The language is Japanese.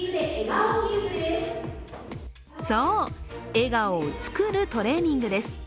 そう、笑顔をつくるトレーニングです。